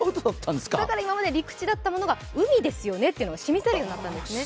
だから今まで陸地だったものが海ですよねというのが示せるようになったんですね。